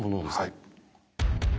はい。